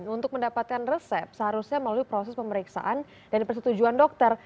untuk mendapatkan resep seharusnya melalui proses pemeriksaan dan persetujuan dokter